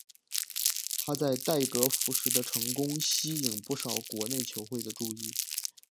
他在代格福什的成功吸引不少国内球会注意。